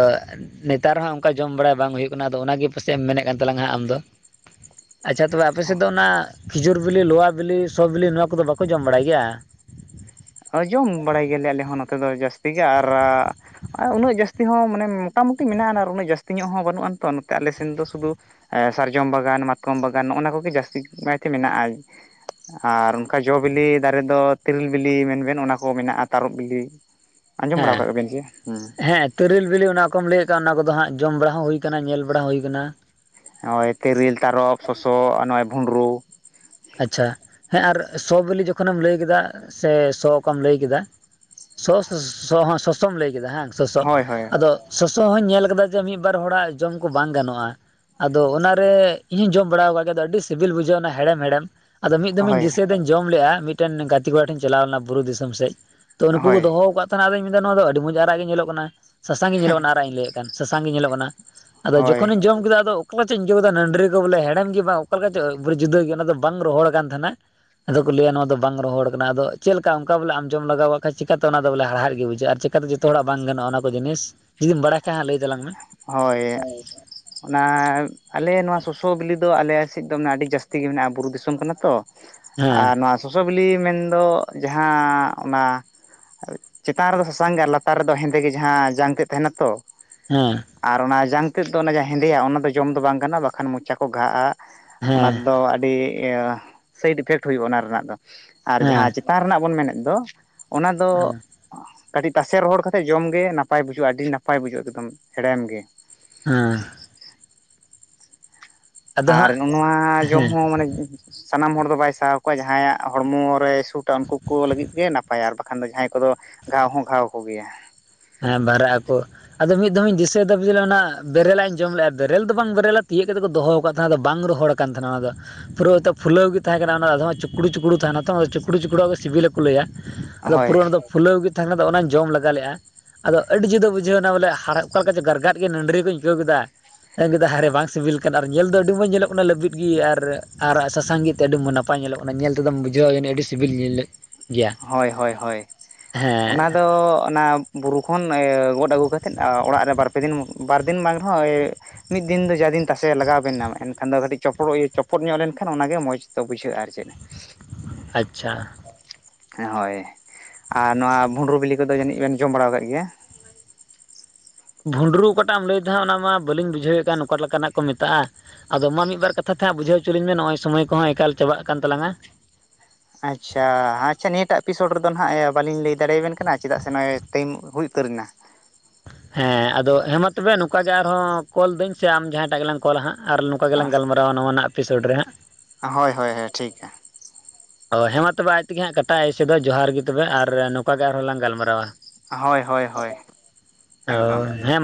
ᱱᱮᱛᱟᱨ ᱦᱚᱸ ᱚᱝᱠᱟ ᱡᱚᱢ ᱵᱟᱲᱟ ᱵᱟᱝ ᱦᱩᱭᱩᱜ ᱠᱟᱱᱟ, ᱟᱫᱚ ᱚᱱᱟᱜᱮ ᱯᱟᱥᱮᱡ ᱮᱢ ᱢᱮᱱᱮᱫ ᱠᱟᱱ ᱛᱟᱞᱟᱝᱼᱼ ᱦᱟᱜ ᱟᱢ ᱫᱚ [inaudible] ᱟᱪᱪᱷᱟ ᱛᱚᱵᱮ ᱟᱯᱮᱥᱮᱫ ᱫᱚ ᱚᱱᱟ, ᱠᱷᱤᱡᱩᱨ ᱵᱤᱞᱤ, ᱞᱚᱣᱟ ᱵᱤᱞᱤ, ᱥᱚ ᱵᱤᱞᱤ ᱱᱚᱣᱟ ᱠᱚᱫᱚ ᱵᱟᱠᱚ ᱡᱚᱢ ᱵᱟᱲᱟᱭ ᱜᱮᱭᱟ? ᱦᱚᱭ ᱡᱚᱢ ᱵᱟᱲᱟᱭ ᱜᱮᱭᱟᱞᱮ ᱟᱞᱮ ᱦᱚᱸ ᱱᱚᱛᱮ ᱫᱚ ᱡᱟᱹᱥᱛᱤ ᱜᱮ, ᱟᱨᱼᱼ ᱟᱨ ᱩᱱᱟᱹᱜ ᱡᱟᱹᱥᱛᱤ ᱦᱚᱸ ᱢᱟᱱᱮ ᱢᱚᱴᱟᱢᱩᱴᱤ ᱢᱮᱱᱟᱜᱼᱟ ᱟᱨ ᱩᱱᱟᱹᱜ ᱡᱟᱹᱥᱛᱤ ᱧᱚᱜ ᱦᱚᱸ ᱵᱟᱹᱱᱩᱜ ᱟᱱ ᱛᱚ ᱱᱚᱛᱮ ᱟᱞᱮ ᱥᱮᱱ ᱫᱚ ᱥᱩᱫᱩᱼᱼ ᱮ ᱥᱟᱨᱡᱚᱢ ᱵᱟᱜᱟᱱ, ᱢᱟᱛᱠᱚᱢ ᱵᱟᱜᱟᱱ ᱱᱚᱜᱼᱚ ᱱᱟ ᱠᱚᱜᱮ ᱡᱟᱹᱥᱛᱤ ᱠᱟᱭᱛᱮ ᱢᱮᱱᱟᱜᱼᱟ ᱾ ᱟᱨ ᱚᱱᱠᱟ ᱡᱚ ᱵᱤᱞᱤ ᱫᱟᱨᱮ ᱫᱚ ᱛᱤᱨᱤᱞ ᱵᱤᱞᱤ ᱾ ᱵᱤᱞᱤ ᱢᱮᱱᱵᱮᱱ ᱚᱱᱟ ᱠᱚ ᱢᱮᱱᱟᱜᱼᱟ ᱛᱟᱨᱚᱵ ᱵᱤᱞᱤ ᱾ ᱦᱮᱸ, ᱦᱮᱸ ᱾ ᱛᱤᱨᱤᱞ ᱵᱤᱞᱤ ᱚᱱᱟ ᱠᱚᱢ ᱞᱟᱹᱭᱮᱫ ᱠᱟᱱ ᱚᱱᱟ ᱠᱚᱫᱚ ᱦᱟᱸᱜ ᱡᱚᱢ ᱵᱟᱲᱟ ᱦᱚᱸ ᱦᱩᱭᱩ ᱠᱟᱱᱟ ᱧᱮᱞ ᱵᱟᱲᱟ ᱦᱩᱭ ᱠᱟᱱᱟ ᱾ ᱱᱚᱜᱼᱚᱭ ᱛᱤᱨᱤᱞ, ᱛᱟᱨᱚᱵ, ᱥᱚᱥᱚ ᱟ ᱱᱚᱜᱼᱚᱭ ᱵᱷᱩᱸᱰᱨᱩᱼᱼ ᱟᱪᱪᱷᱟ, ᱦᱮᱸ ᱟᱨ ᱥᱚ ᱵᱤᱞᱤ ᱡᱚᱠᱷᱚᱱᱮᱢ ᱞᱟᱹᱭ ᱠᱮᱫᱟ ᱥᱮ ᱥᱚ ᱚᱠᱟᱢ ᱞᱟᱹᱭ ᱠᱮᱫᱟᱼᱼ ᱥᱚᱥ ᱥᱮ ᱥᱚ ᱦᱚᱸ ᱥᱚᱥᱚᱢ ᱞᱟᱹᱭ ᱠᱮᱫᱟ ᱦᱟᱝ ᱥᱚᱥᱚ ᱦᱳᱭ ᱦᱳᱭ ᱟᱫᱚᱼᱼ ᱥᱚᱥᱚ ᱦᱚᱧ ᱧᱮᱞ ᱠᱟᱫᱟ ᱡᱮ ᱢᱤᱫ ᱵᱟᱨ ᱦᱚᱲᱟᱜ ᱡᱚᱢ ᱠᱚ ᱵᱟᱝ ᱜᱟᱱᱚᱜᱼᱟ ᱾ ᱟᱫᱚ ᱚᱱᱟᱨᱮ ᱤᱧᱦᱚᱧ ᱡᱚᱢ ᱵᱟᱲᱟ ᱟᱠᱟᱫ ᱜᱮᱭᱟ ᱟᱫᱚ ᱟᱹᱰᱤ ᱥᱤᱵᱤᱞ ᱵᱩᱡᱷᱟᱹᱜ ᱚᱱᱟ ᱦᱮᱲᱮᱢ ᱦᱮᱲᱮᱢ ᱾ ᱟᱫᱚ ᱢᱤᱫ ᱫᱚᱢᱤᱧ ᱦᱳᱭ ᱫᱤᱥᱟᱹᱭ ᱫᱟᱹᱧ ᱡᱚᱢ ᱞᱮᱜᱼᱟ ᱢᱤᱫᱴᱮᱱ ᱜᱟᱛᱮ ᱠᱚᱲᱟ ᱴᱷᱮᱧ ᱪᱟᱞᱟᱣ ᱞᱮᱱᱟ ᱵᱩᱨᱩ ᱫᱤᱥᱚᱢ ᱥᱮᱡᱼᱼ ᱛᱚ ᱱᱩᱠᱩ ᱠᱚ ᱦᱳᱭ ᱫᱚᱦᱚ ᱠᱟᱜ ᱛᱟᱦᱮᱱᱟ ᱟᱫᱚᱧ ᱢᱮᱱᱫᱟ ᱱᱚᱣᱟ ᱫᱚ ᱟᱹᱰᱤ ᱢᱚᱡᱽ ᱟᱨᱟᱜ ᱜᱮ ᱧᱮᱞᱚᱜ ᱠᱟᱱᱟ ᱥᱟᱥᱟᱝ ᱜᱮ ᱧᱮᱞᱚᱜ ᱠᱟᱱᱟ ᱟᱨᱟᱜ ᱜᱮᱧ ᱞᱟᱹᱭᱮᱫ ᱠᱟᱱᱼᱼ ᱥᱟᱥᱟᱝ ᱜᱮ ᱧᱮᱞᱚᱜ ᱠᱟᱱᱟ ᱟᱫᱚ ᱦᱳᱭ ᱡᱚᱠᱷᱚᱱᱤᱧ ᱡᱚᱢ ᱠᱮᱫᱟ ᱟᱫᱚᱼᱼ ᱚᱠᱟ ᱞᱮᱠᱟ ᱪᱚᱧ ᱤᱠᱟᱹᱣ ᱠᱮᱫᱟ ᱱᱟᱺᱰᱨᱤ ᱠᱚ ᱵᱚᱞᱮ ᱦᱮᱲᱮᱢ ᱜᱮ ᱵᱟᱝ ᱚᱠᱟ ᱞᱮᱠᱟ ᱪᱚ ᱵᱚᱞᱮ ᱡᱩᱫᱟᱹ ᱜᱮ ᱚᱱᱟ ᱫᱚ ᱵᱟᱝ ᱨᱚᱦᱚᱲ ᱟᱠᱟᱱ ᱛᱟᱦᱮᱱᱟ ᱾ ᱟᱫᱚ ᱠᱚ ᱞᱟᱹᱭᱟ ᱱᱚᱣᱟ ᱫᱚ ᱵᱟᱝ ᱨᱚᱦᱚᱲ ᱠᱟᱱᱟ, ᱟᱫᱚ ᱪᱮᱫ ᱞᱮᱠᱟ ᱚᱝᱠᱟ ᱵᱚᱞᱮ ᱡᱚᱢ ᱞᱟᱜᱟᱣᱚᱜ ᱠᱷᱟᱡ ᱪᱤᱠᱟᱛᱚ ᱚᱱᱟ ᱵᱚᱞᱮ ᱦᱟᱲᱦᱟᱫ ᱜᱮ, ᱵᱩᱡᱷᱟᱹᱜᱼᱟ ᱟᱨᱪᱮᱫ᱾ ᱡᱚᱛᱚ ᱦᱚᱲᱟᱜ ᱵᱟᱝ ᱜᱟᱱᱚᱜᱼᱟ ᱚᱱᱟ ᱠᱚ ᱡᱤᱱᱤᱥ ᱡᱩᱫᱤᱢ ᱵᱟᱰᱟᱭ ᱠᱷᱟᱡ ᱦᱟᱸᱜ ᱞᱟᱹᱭ ᱛᱟᱞᱟᱝ ᱢᱮ᱾ ᱦᱳᱭ ᱚᱱᱟ ᱟᱞᱮ ᱱᱚᱣᱟ ᱥᱚᱥᱚ ᱵᱤᱞᱤ ᱫᱚ ᱟᱞᱮ ᱥᱮᱫ ᱫᱚᱢᱮ ᱟᱹᱰᱤ ᱡᱟᱹᱥᱛᱤ ᱜᱮ ᱢᱮᱱᱟᱜᱼᱟ ᱵᱩᱨᱩ ᱫᱤᱥᱚᱢ ᱠᱟᱱᱟ ᱛᱚ᱾ ᱟᱨ ᱦᱮᱸ ᱱᱚᱣᱟ ᱥᱚᱥᱚ ᱵᱤᱞᱤ ᱢᱮᱱᱫᱚ ᱡᱟᱸᱦᱟ ᱚᱱᱟ᱾ ᱪᱮᱛᱟᱱ ᱨᱮᱫᱚ ᱥᱟᱥᱟᱝ ᱜᱮ ᱟᱨ ᱞᱟᱛᱟᱨ ᱨᱮᱫᱚ ᱦᱮᱸᱫᱮ ᱜᱮ ᱡᱟᱸᱦᱟ ᱡᱟᱝ ᱛᱮᱫ ᱛᱟᱦᱮᱱᱟ ᱛᱚ᱾ ᱦᱮᱸ ᱟᱨ ᱚᱱᱟ ᱡᱟᱝ ᱛᱮᱫ ᱫᱚ ᱚᱱᱟ ᱡᱟᱸᱦᱟ ᱦᱮᱸᱫᱮᱭᱟ ᱚᱱᱟ ᱫᱚ ᱡᱚᱢ ᱫᱚ ᱵᱟᱝ ᱠᱟᱱᱟ ᱵᱟᱠᱷᱟᱱ ᱢᱚᱪᱟ ᱠᱚ ᱜᱷᱟᱜᱼᱟ᱾ ᱚᱱᱟ ᱫᱚ ᱟᱹᱰᱤ ᱤᱭᱟᱹ ᱥᱟᱭᱤᱰ ᱤᱯᱷᱮᱠᱴ ᱦᱩᱭᱩᱜᱼᱟ ᱚᱱᱟ ᱨᱮᱱᱟᱜ ᱫᱚ ᱟᱨ ᱡᱟᱸᱦᱟ ᱦᱮᱸ ᱪᱮᱼᱼ ᱛᱟᱨ ᱨᱮᱱᱟᱜ ᱵᱚᱱ ᱢᱮᱱᱮᱫ ᱫᱚ ᱚᱱᱟ ᱫᱚ᱾ ᱦᱮᱸ ᱦᱮᱸ ᱠᱟᱹᱴᱤᱡ ᱛᱟᱥᱮ ᱨᱚᱦᱚᱲ ᱠᱟᱛᱮᱫ ᱡᱚᱢᱜᱮ ᱱᱟᱯᱟᱭ ᱵᱩᱡᱷᱟᱹᱜᱼᱟ ᱟᱹᱰᱤ ᱱᱟᱯᱟᱭ ᱵᱩᱡᱷᱟᱹᱜ ᱮᱠᱫᱚᱢ ᱦᱮᱲᱮᱢ ᱜᱮ᱾ ᱦᱮᱸ ᱟᱫᱚ ᱟᱨ ᱦᱟᱸᱜ ᱱᱚᱣᱟ ᱡᱚᱢ ᱦᱮᱸ ᱦᱚᱸ ᱢᱟᱱᱮ᱾ ᱥᱟᱱᱟᱢ ᱦᱚᱲ ᱫᱚ ᱵᱟᱭ ᱥᱟᱦᱟᱣ ᱠᱚᱣᱟ ᱡᱟᱦᱟᱸᱭᱟᱜ ᱦᱚᱲᱢᱚ ᱨᱮ ᱥᱩᱴᱟ ᱩᱱᱠᱩ ᱠᱩ ᱞᱟᱹᱜᱤᱫ ᱜᱮ ᱱᱟᱯᱟᱭᱟ ᱟᱨ ᱵᱟᱠᱷᱟᱱ ᱫᱚ ᱡᱟᱦᱟᱸᱭ ᱠᱚᱫᱚ᱾ ᱜᱷᱟᱣ ᱦᱚᱸ ᱜᱷᱟᱣ ᱠᱚ ᱜᱮᱭᱟ᱾ ᱦᱮᱸ ᱵᱷᱟᱨᱟᱜ ᱟᱠᱚ ᱟᱫᱚ ᱢᱤᱫ ᱫᱚᱢᱤᱧ ᱫᱤᱥᱟᱹᱭ ᱫᱟ ᱵᱚᱞᱮ ᱚᱱᱟ ᱵᱮᱨᱮᱞᱟᱜ ᱤᱧ ᱡᱚᱢ ᱞᱮᱜᱼᱟ ᱵᱮᱨᱮᱞ ᱫᱚ ᱵᱟᱝ ᱵᱮᱨᱮᱞᱟ ᱛᱤᱭᱳᱜ ᱠᱟᱛᱮᱜ ᱠᱚ ᱫᱚᱦᱚ ᱠᱟᱜ ᱛᱟᱦᱮᱱᱟ ᱵᱟᱝ ᱨᱚᱦᱚᱲ᱾ ᱠᱟᱱ ᱛᱟᱦᱮᱱᱟ ᱚᱱᱟ ᱫᱚ ᱯᱩᱨᱟᱹᱣ ᱯᱷᱩᱞᱟᱹᱣ ᱜᱮ ᱛᱟᱦᱮᱸ ᱠᱟᱱᱟ ᱚᱱᱟ ᱟᱫᱷᱚᱢ ᱪᱩᱠᱲᱩ ᱪᱩᱠᱲᱩ ᱛᱟᱦᱮᱱᱟ ᱛᱚ ᱚᱱᱟ ᱫᱚ ᱪᱩᱠᱲᱩ ᱪᱩᱠᱲᱩ ᱜᱮ ᱥᱤᱵᱤᱞᱟ᱾ ᱠᱚ ᱞᱟᱹᱭᱟ ᱟᱫᱚ ᱯᱩᱨᱟᱹ ᱦᱳᱭ ᱚᱱᱟ ᱫᱚ ᱯᱷᱩᱞᱟᱹᱣ ᱜᱮ ᱛᱟᱸᱦᱮ ᱠᱟᱱᱟ ᱟᱫᱚ ᱚᱱᱟᱧ ᱡᱚᱢ ᱞᱟᱜᱟ ᱞᱮᱜᱼᱟ᱾ ᱟᱫᱚ ᱟᱹᱰᱤ ᱡᱩᱫᱟᱹ ᱵᱩᱡᱷᱟᱹᱣ ᱮᱱᱟ ᱵᱚᱞᱮ ᱦᱟᱲᱦᱟᱫ ᱚᱠᱟ ᱞᱮᱠᱟ ᱪᱚᱝ ᱜᱟᱨᱜᱟᱫ ᱜᱮ ᱱᱟᱺᱰᱨᱤ ᱠᱚᱧ ᱟᱹᱭᱠᱟᱹᱣ ᱠᱮᱫᱟ᱾ ᱢᱮᱱ ᱠᱮᱫᱟ ᱦᱟᱭᱨᱮ ᱵᱟᱝ ᱥᱤᱵᱤᱞ ᱠᱟᱱᱟ ᱟᱨ ᱧᱮᱞ ᱫᱚ ᱟᱹᱰᱤ ᱢᱚᱸᱡᱽ ᱧᱮᱞᱚᱜ ᱠᱟᱱᱟ ᱞᱟᱹᱵᱤᱫ ᱜᱮ ᱟᱨ ᱟᱨ ᱥᱟᱥᱟᱝ ᱜᱮ ᱮᱛᱮᱜ ᱟᱹᱰᱤ ᱢᱚᱡᱽ ᱢᱚᱡ ᱱᱟᱯ ᱱᱟᱯᱟᱭ ᱧᱮᱞᱚᱜ ᱠᱟᱱᱟ ᱧᱮᱞ ᱛᱮᱫᱚᱢ ᱵᱩᱡᱷᱟᱹᱣᱟ ᱡᱟᱹᱱᱤᱡ ᱟᱹᱰᱤ ᱥᱤᱵᱤᱞ ᱧᱮᱞᱚᱜ᱾ ᱜᱮᱭᱟ ᱦᱳᱭ ᱦᱳᱭ ᱦᱳᱭ ᱦᱮᱸ ᱚᱱᱟᱫᱚ ᱚᱱᱟ᱾ ᱵᱩᱨᱩ ᱠᱷᱚᱱ ᱜᱚᱫ ᱟᱹᱜᱩ ᱠᱟᱛᱮᱫ ᱚᱲᱟᱜ ᱨᱮ ᱵᱟᱨᱯᱮ ᱫᱤᱱ ᱵᱟᱨ ᱫᱤᱱ ᱵᱟᱝ ᱨᱮᱦᱚᱸᱼᱼ ᱢᱤᱫ ᱫᱤᱱ ᱫᱚ ᱡᱟ ᱫᱤᱱ ᱛᱟᱥᱮ ᱞᱟᱜᱟᱣ ᱵᱤᱱᱟ ᱮᱱᱠᱷᱟᱱ ᱫᱚ ᱠᱟᱹᱴᱤᱡ ᱪᱚᱯᱚᱲᱚᱜ ᱪᱚᱯᱚᱫ ᱧᱚᱜ ᱞᱮᱱᱠᱷᱟᱱ ᱚᱱᱟᱜᱮ ᱢᱚᱡᱽ ᱫᱚ ᱵᱩᱡᱷᱟᱹᱜᱼᱟ ᱟᱨ ᱪᱮᱫ᱾ [unintelligible] ᱟᱪᱪᱷᱟ ᱦᱮᱸ ᱦᱳᱭ ᱟᱨ ᱱᱚᱣᱟ ᱵᱷᱩᱸᱰᱨᱩ ᱵᱤᱞᱤ ᱠᱚᱫᱚ ᱡᱟᱹᱱᱤᱡ ᱵᱮᱱ ᱡᱚᱢ ᱵᱟᱲᱟ ᱟᱠᱟᱫ ᱜᱮᱭᱟ ᱾ ᱵᱷᱩᱸᱰᱨᱩ ᱚᱠᱟᱴᱟᱜ ᱮᱢ ᱞᱟᱹᱭ ᱫᱟ ᱚᱱᱟ ᱢᱟ ᱵᱟᱹᱞᱤᱧ ᱵᱩᱡᱷᱟᱹᱣᱮᱫ ᱠᱟᱱ ᱚᱠᱟ ᱞᱮᱠᱟᱱᱟᱜ ᱠᱚ ᱢᱮᱛᱟᱜᱼᱟ᱾ ᱟᱫᱚ ᱢᱟ ᱢᱤᱫ ᱵᱟᱨ ᱠᱟᱛᱷᱟ ᱛᱮ ᱦᱟᱸᱜ ᱵᱩᱡᱷᱟᱹᱣ ᱪᱚ ᱞᱤᱧ ᱢᱮ ᱱᱚᱜᱼᱚᱭ ᱥᱚᱢᱚᱭ ᱠᱚᱦᱚᱸ ᱮᱠᱟᱞ ᱪᱟᱵᱟᱜ ᱠᱟᱱ ᱛᱟᱞᱟᱝᱼᱟ᱾ ᱟᱪᱪᱷᱟ ᱟᱪᱪᱷᱟ ᱱᱤᱭᱟᱹᱴᱟᱜ ᱮᱯᱤᱥᱳᱰ ᱨᱮᱫᱚ ᱱᱟᱦᱟᱜ ᱮ ᱵᱟᱹᱞᱤᱧ ᱞᱟᱹᱭ ᱫᱟᱲᱮᱭᱟᱵᱮᱱ ᱠᱟᱱᱟ ᱪᱮᱫᱟᱜ ᱥᱮ ᱱᱚᱜᱼᱚᱭ ᱴᱟᱭᱤᱢ ᱦᱩᱭ ᱩᱛᱟᱹᱨᱮᱱᱟ᱾ ᱦᱮᱸ ᱟᱫᱚ ᱦᱮᱸ ᱢᱟ ᱛᱚᱵᱮ ᱱᱚᱝᱠᱟ ᱜᱮ ᱟᱨᱦᱚᱸ ᱠᱚᱞ ᱫᱟᱹᱧ ᱥᱮ ᱟᱢ ᱡᱟᱦᱟᱸᱭ ᱴᱟᱜ ᱜᱮᱞᱟᱝ ᱠᱚᱞᱟ ᱦᱟᱸᱜ ᱟᱨ ᱱᱚᱝᱠᱟ ᱜᱮᱞᱟᱝ ᱜᱟᱞᱢᱟᱨᱟᱜ᱾ ᱱᱟᱣᱟᱱᱟᱜ ᱮᱯᱤᱥᱳᱰ ᱨᱮᱦᱟᱸᱜ᱾ ᱦᱳᱭ ᱦᱳᱭ ᱦᱳᱭ ᱴᱷᱤᱠ᱾ ᱚ ᱦᱮᱸ ᱢᱟ ᱛᱚᱵᱮ ᱟᱡ ᱛᱮᱜᱮ ᱦᱟᱸᱜ ᱠᱟᱴᱟᱭ ᱟᱭᱥᱮ ᱫᱚ ᱡᱚᱦᱟᱨ ᱜᱮ ᱛᱚᱵᱮ ᱟᱨ ᱱᱚᱝᱠᱟ ᱜᱮ ᱟᱨᱦᱚᱸ ᱞᱟᱝ ᱜᱟᱞᱢᱟᱨᱟᱣᱟ᱾ ᱦᱳᱭ ᱦᱳᱭ ᱦᱳᱭ ᱮᱠᱫᱚᱢ᱾ ᱦᱳᱭ ᱦᱮᱸ